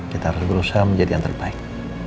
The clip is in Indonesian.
kita harus berusaha menjadi yang terbaik